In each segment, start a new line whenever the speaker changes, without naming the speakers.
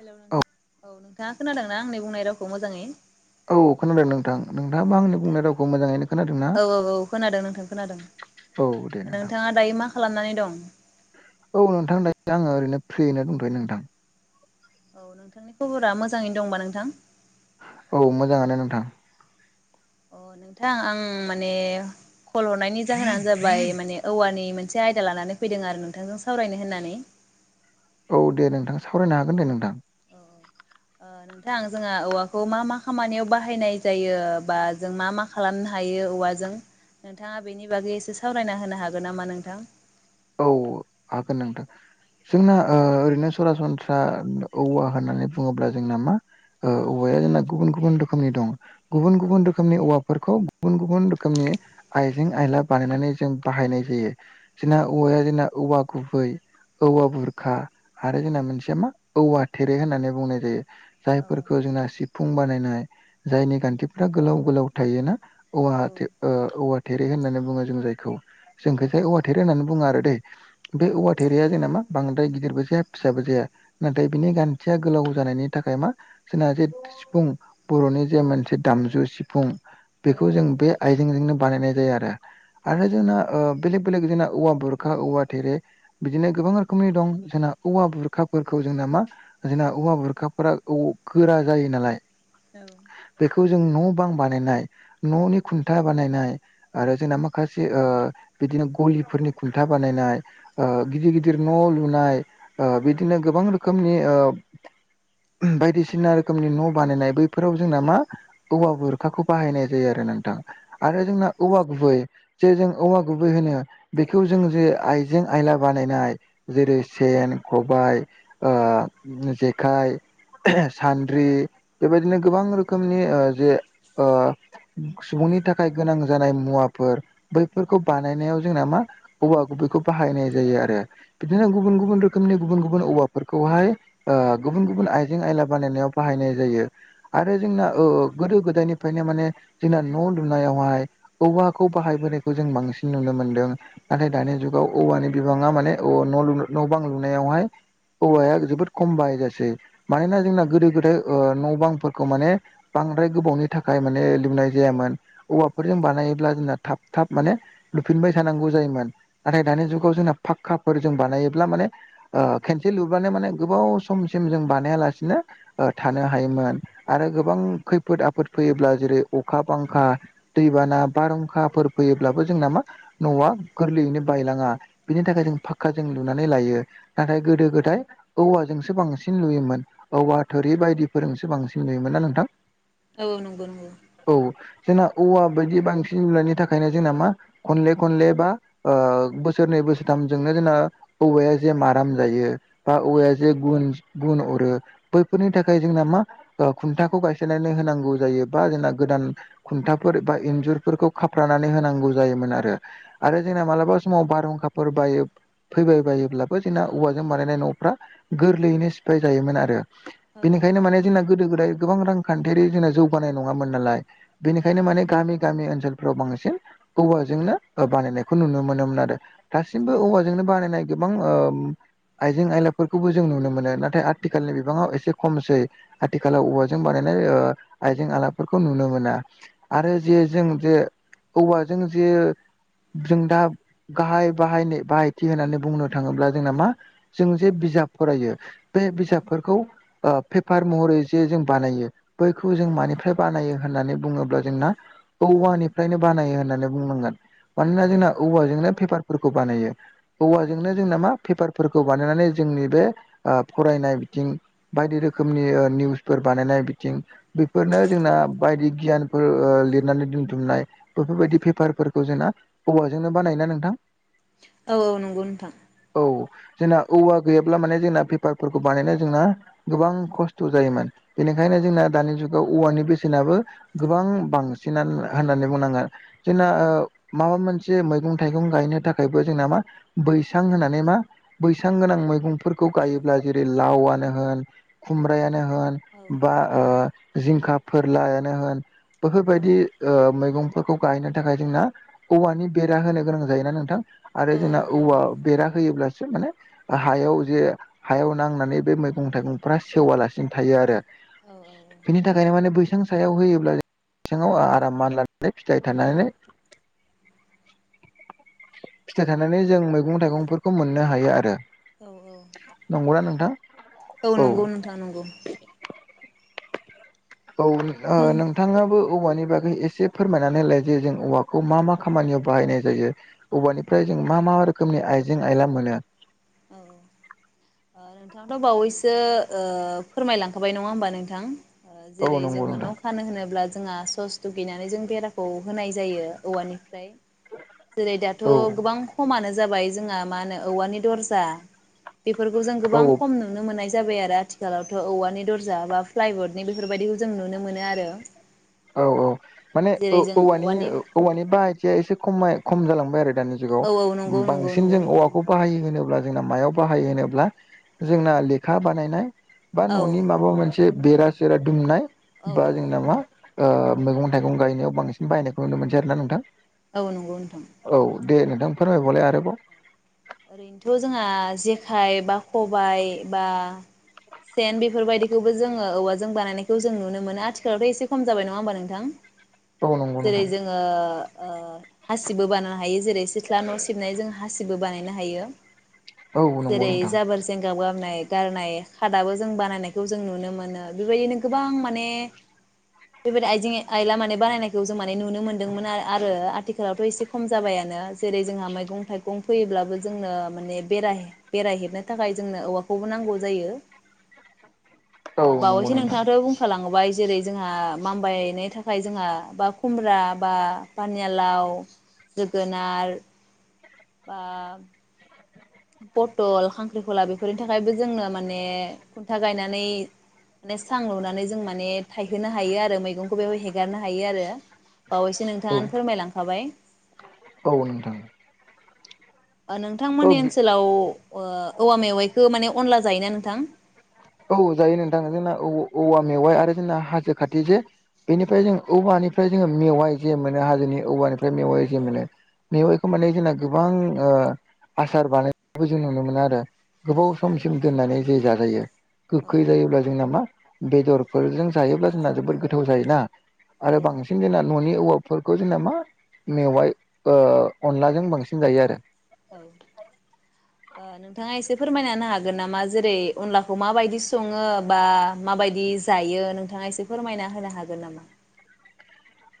Hello
औ
नोंथां औ नोंथाङा खोनादोंना आंनि बुंनाय रावखौ मोजाङै?
औ खोनादों नोंथां
अ
नोंथाङाबो आंनि
नोंथां
बुंनाय रावखौ मोजाङैनो खोनादों ना?
औ औ औ खोनादों नोंथां खोनादों
औ दे। नोंथां
नोंथाङा दायो मा खालामनानै दं?
औ नोंथां दायो आङो ओरैनो फ्रियैनो दंथ'यो नोंथां।
औ नोंथांनि खबरा मोजाङैनो दंबा नोंथां?
औ मोजाङानो नोंथां।
अ नोंथां आं माने खल हरनायनि जाहोनानो जाबाय माने औवानि मोनसे आयदा लानानै फैदों आरो नोंथांजों सावरायनो होननानै।
औ दे नोंथां सावरायनो हागोन दे नोंथां।
अ। ओ नोंथां जोंहा औवाखौ मा मा खामानियाव बाहायनाय जायो बा जों मा मा खालामनो हायो औवाजों नोंथाङा बेनि बागै एसे सावरायना होनो हागोन नामा नोंथां?
औ हागोन नोंथां जोंना ओ ओरैनो सासनस्रा ओ औवा होननानै बुङोब्ला जोंना मा ओ‌ औवाया जोंना गुबुन गुबुन रोखोमनि दं। गुबुन
औ
गुबुन रोखोमनि औवा फोरखौ गुबुन गुबुन रोखोमनि आइजें आयला बानायनानै जों बाहायनाय जायो जोंना औवाया जोंना औवा गुबै औवा बुरखा आरो जोंना
औ
मोनसेया मा औवा थेरे होननानै बुंनाय जायो
औ
जायफोरखौ जोंना सि फुं बानायनाय जायनि गान्थिफ्रा गोलाव गोलाव थायोना औवा [unintelligible] ओ औवा थेरे होननानै बुङो जों जायखौ जोंखै जे औवा थेरे होननानै बुङो आरो दे। बे औवा थेरेया नामा बांद्राय गिदिरबो जाया फिसाबो जाया नाथाय बिनि गान्थिया गोलाव जानायनि थाखाय मा जोंना जे सिफुं बर'नि जे मोनसे दामजु सिफुं बेखौ जों बे आइजेंजोंनो बानायनाय जायो आरो। आरो जोंना ओ बेलेग बेलेग जोंना औवा बुरखा औवा थेरे बिदिनो गोबां रोखोमनि दं। जोंना औवा बुरखाफोरखौ जोंना मा जोंना औवा बुरखाफोरा औ गोरा जायो नालाय
औ।
बेखौ जों न' बां बानायनाय न'नि खुन्था बानायनाय आरो जोंना माखासे ओ बिदिनो गलि फोरनि खुन्था बानायनाय ओ गिदिर गिदिर न' लुनाय ओ बिदिनो
नंगौ
गोबां रो खोमनि ओ बायदिसिना रोखोमनि न' बानायनाय बैफोराव जोंना मा औवा बुरखाखौ बाहायनाय जायो आरो नोंथां। आरो जोंना औवा गुबै जे जों औवा गुबै होनो बेखौ जों जे आइजें आयला बानायनाय जेरै- सेन, खबाय, ओ जेखाइ, सान्द्रि बेबायदिनो गोबां रोखोमनि ओ जे ओ सुबुंनि थाखाय गोनां जानाय मुवाफोर बैफोरखौ बानायनायाव जोंना मा औवा गुबैखौ बाहायनाय जायो आरो बिदिनो गुबुन गुबुन रोखोमनि गुबुन गुबुन गुबुन औवाफोरखौहाय गुबुन गुबुन आइजें आयला बानायनायाव बाहायनाय जायो। आरो जोंना ओ गोदो गोदायनिफ्रायनो माने जोंना न' लुनायावहाय औवाखौ बाहायबोनायखौ जों बांसिन नुनो मोन्दों नाथाय दानि जुगाव औवानि बिबाङा माने औ न ल न' बां लुनायावहाय औवाया जोबोद खम बाहायजासै। मानोना जोंना गोदो गोदाय ओ न' बांफोरखौ माने बांद्राय गोबावनि थाखाय माने लुनाय जायामोन औवाफोरजों बानायोब्ला जोंना थाब थाब माने लुफिनबाय थानांगौ जायोमोन नाथाय दानि जुगाव जोंना फाखक्काफोर जों बानायोब्ला माने ओ खेनसे लुबानो माने गोबाव समसिम जों बानायालासिनो ओ थानो हायोमोन आरो गोबां खैफोद आफोद फैयोब्ला जेरै अखा बांखा दैबाना बारहुंखाफोर फैयोब्लाबो जोंना मा न'आ गोरलैयैनो बायलाङा बिनि थाखाय जों फाक्का जों लुनानै लायो नाथाय गोदो गोदाय औवाजोंसो बांसिन लुयोमोन औवा थुरि बायदिफोरजोंसो बांसिन लुयोमोन ना नोंथां
औ नंगौ नंगौ
औ जोंना औवा बायदि बांसिन नुनायनि थाखायनो जोंना मा खनले खनले बा ओ बोसोरनै बोसोरथामजोंनो जोंना औवाया जे माराम जायो। बा औवाया जे गुन गुन अरो बैफोरनि थाखाय जोंना मा खुन्थाखौ गायसननानै होनांगौ जायो बा जोंना गोदान खुन्थाफोर बा इन्जुरफोरखौ खाफ्रानानै होनांगौ जायोमोन आरो। आरो जोंना मालाबा समाव बारहुंखाफोर बायो फैबाय बायोब्लाबो जोंना औवाजों बानायनाय न'फ्रा गोरलैयैनो सिफाय जायोमोन आरो। बेनिखायनो माने जोंना गोदो गोदाय गोबां रांखान्थियारि जोंना जौगानाय नङामोन नालाय बेनिखायनो माने गामि गामि ओनसोलफोराव बांसिन औवाजोंनो बानायनायखौ नुनो मोनोमोन आरो दासिमबो औवाजोंनो बानायनाय गोबां ओम आइजें आयलाफोरखौबो जों नुनो मोनो नाथाय आथिखालनि बिबाङाव एसे खमसै आथिखालाव औवाजों बानायनाय आइजें आलाफोरखौ नुनो मोना। आरो जे जों जे औवाजों जे जों दा गाहाय बाहायनो बाहायथि होननानै बुंनो थाङोब्ला जोंना मा जों जे बिजाब फरायो बे बिजाबफोरखौ पेपार महरै जे जों बानायो बैखौ जों मानिफ्राय बानायो होननानै बुङोब्ला जोंना औवानिफ्रायनो बानायो होननानै बुंनांगोन। मानोना जोंना औवाजोंनो पेपारफोरखौ बानायो औवाजोंनो जोंना मा पेपारफोरखौ बानायनानै जोंनि बे ओ फरायनाय बिथिं बायदि रोखोमनि निउसफोर बानायनाय बिथिं बेफोरनो जोंना बायदि गियानफोर लिरनानै दोनथुमनाय बेफोरबायदि पेपारफोरखौ जोंना औवाजोंनो बानायो नोंथां
औ औ नंगौ नोंथां
औ जोंना औवा गैयाब्ला माने जोंना पेपारफोरखौ बानायनाय जोंना गोबां खस्थ' जायोमोन।
औ
बेनिखायनो जोंना दानि जुगाव औवानि बेसेनाबो गोबां बांसिनानो होननानै बुंनांगोन जोंना माबा मोनसे मैगं थाइगं गायनो थाखायबो जोंना मा बैसां होनानै मा बैसां गोनां मैगंफोरखौ गायोब्ला जेरै लावआनो होन खुमब्रायानो होन बा ओ जिंखा फोरलायानो होन बेफोरबायदि मैगंफोरखौ गायनो थाखाय जोंना औवानि बेरा होनो गोनां जायोना नोंथां आरो
औ
जोंना
नंगौ
औव
नोंथां नंगौ।
बेरा होयोब्लासो माने हायाव जे हायाव नांनानै बे मैगं थाइगंफ्रा सेवालासिनो थायो आरो। बिनि थाखाय माने बैसां सायाव होयोब्ला बैसाङाव आराम मानलानानै फिथाइ थानानै फिथाइ थानानै जों मैगं थाइगंफोरखौ मोननो हायो आरो। नंगौना नोंथां औ
नोंथां नंगौ
औ ओ नों थाङाबो औवानि बागै एसे फोरमायनानै होलाय जे जों औवाखौ मा मा खामानियाव बाहायनाय जायो? औवानिफ्राय जों मा मा रोखोमनि आइजें आयला मोनो?
औ औ ओ नोंथांआथ' बावैसो फोरमायलांखाबाय नङा होमबा नोंथां? ओ
औ
जेरै
नंगौ
जोङो
नोंथां
न' फानो होनोब्ला जोंहा सस दुगैनानै जों बेराखौ होनाय जायो औवानिफ्राय। जेरै दाथ'
औ
गोबां खमानो जाबाय जोंहा मा होनो औवानि दरजा बेफोरखौ जों गोबां
औ
खम नु नुनो मोननाय जाबाय आरो आथिखालावथ' औवानि दरजा बा फ्लाइबर्डनि बेफोरबायदिखौ जों नुनो मोनो आरो।
औ औ माने
जेरै जों औवानि
औवानि-औवानि बाहायथिया एसे खमाय खम जालांबाय आरो दानि।
औ
जुगाव
औ नंगौ नंगौ
बांसिन
नंगौ
जों
नोंथां
औवाखौ बाहायो होनोब्ला जोंना मायाव बाहायो होनोब्ला जोंना लेखा बानायनाय बा
औ
न'नि माबा मोनसे बेरा सेरा दुमनाय
औ
बा
औ
जोंना मा ओ मैंगं-थाइगं गायनायाव बांसिन बायनायखौ नुनो मोनसै आरो ना नोंथां?
औ नंगौ नोंथां।
औ दे नोंथां फोरमायबावलाय आरोबाव।
ओरैनोथ' जोंहा जेखाइ बा खबाय बा सेन बेफोरबायदिखौबो जोङो औवाजों बानायनायखौ जों नुनो मोनो आथिखालावथ' एसे खम जाबाय नङा होमबा नोंथां?
औ नंगौ
जेरै
नोंथां
जों ओ-ओ हासिबबो बानायनो हायो जेरै सिथ्ला न' सिबनाय जों हासिबो बानाय नो हायो
औ नंगौ
जेरै
नोंथां
जाबोर जेंगाब गाबनाय गारनाय खादाबो जों बानायनायखौ जों नुनो मोनो बेबायदिनो गोबां माने बेबायदि आइजें आइला माने बानायनायखौ जों माने नुनो मोनदोंमोन आरो आथिखालावथ' एसे खम जाबायानो जेरै जोंहा मैगं थाइगं फैयोब्ला जोंनो माने बेरा बेराहेबनो थाखाय जोंनो औवाखौबो नांगौ जायो।
औ नंगौ
बावैसो
नोंथां
नोंथांआथ' बुं थोलांबाय जेरै जोंहा मामबायनाय थाखाय जोंहा बा खुमब्रा बा पानियालाव जोगोनार बा पथल खांख्रिखला बेफोरनि थाखायबो जोंनो माने खुन्था गायनानै माने सां लुनानै जों माने थायहोनो हायो आरो मैगंखौ बेयावाय हेगारनो हायो आरो। बावैसो
औ
नोंथाङानो फोरमायलांखाबाय।
औ नोंथां।
ओ
औ
नोंथांमोनानि ओनसोलाव ओ औवा मेवाइखौ माने अनला जायोना नोंथां?
औ जायो नोंथाङा जोंना औ-औवा मेवाइ आरो जोंना हाजो खाथि जे बेनिफ्राय जों औवानिफ्राय जोङो मेवाइ जे मोनो हाजोनि औवानिफ्राय मेवाइ जे
औ
मोनो मेवाइखौ माने जोंना गोबां ओ आसार बानायनायबो जों नुनो मोनो आरो
औ
गोबाव सम दोननानै जे जाजायो
औ
गोखै जायोब्ला जोंना मा बेदरफोरजों जायोब्ला जोंना जोबोद गोथाव जायोना आरो
औ
बांसिन न'नि औवाफोरखौ जोंना मा दं मा मेवाइ ओ अनलाजों बांसिन जायो आरो।
औ ओ नोंथाङा एसे फोरमायना होनो हागोन नामा जेरै अनलाखौ माबायदि सङो बा माबायदि जायो नोंथां नोंथाङा एसे फोरमायना होनो हागोन नामा?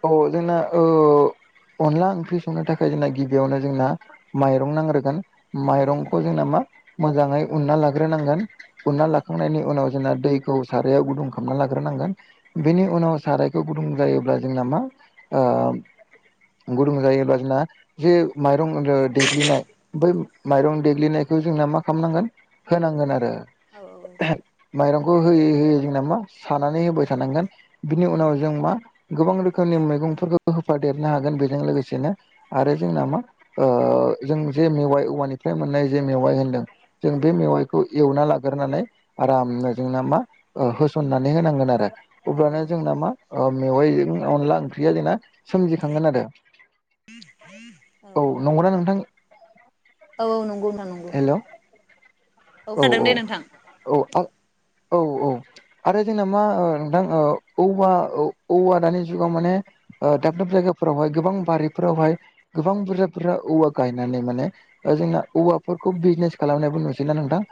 औ जोंना ओ अनला ओंख्रि संनो थाखाय जोंना गिबियावनो जोंना माइरं नांग्रोगोन।
औ
माइरंखौ जोंना मा मोजाङै उनना लाग्रोनांगोन
औ
उनना लाखांनायनि उनाव जोंना दैखौ सारायाव गुदुं खालामनानै लाग्रोनांगोन
औ
बेनि उनाव सारायखौ गुदुं जायोब्ला जोंना मा ओ गुदुं जायोब्ला जोंना जि माइरं देग्लिनाय बै माइरं देग्लिनायखौ जोंना मा खालामनांगोन होनांगोन आरो।
औ
माइरंखौ होयै होयै जोंना मा सानानै होबाय थानांगोन बिनि
औ
उनाव जों मा गोबां रोखोमनि मैगंफोरखौ होफादेरनो हागोन बेजों लोगोसेनो
औ
आरो जोंना मा ओ जों जे मेवाइ औवानिफ्राय मोननाय जे मेवाइ होनदों जों
औ
बे मेवाइखौ एवना लाग्रोनानै आरामनो जोंना मा होसननानै होनांगोन आरो अब्लाना
औ
जोंना मा ओ मेवाइजों अनला ओंख्रिया जोंना सोमजिखांगोन आरो औ नंगौना नोंथां
औ औ नंगौ नोंथां नं
हेल' औ औ
दे नोंथां
औ आं औऔ आरो जोंना मा नोंथां औवा-औवा दानि जुगाव माने ओ दाब-दाब जायगाफोरावहाय गोबां बारिफोरावहाय गोबां बुरजा-बुरजा औवा गायनानै माने जोंना औवा फोरखौ बिजनेस खालामनायबो नुसै ना नोंथां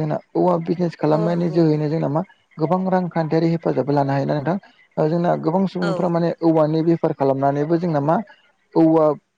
जोंना औवा बिजनेस
औ औ
खालामनायनि
नंगौ
जोहैनो जोंना मा गोबां रांखान्थियारि हेफाजाब लानो हायो ना नोंथां जोंना गोबां
औ
सुबुंफ्रा माने औवानि बेफार खालामनानैबो जोंना मा औवा